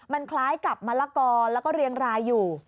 มันคล้ายกับมะละกอแล้วก็เรียงรายอยู่